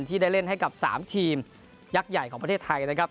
ที่ได้เล่นให้กับ๓ทีมยักษ์ใหญ่ของประเทศไทยนะครับ